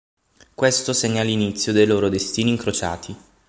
Questo segna l'inizio dei loro destini incrociati.